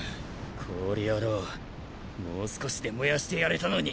氷野郎もう少しで燃やしてやれたのに。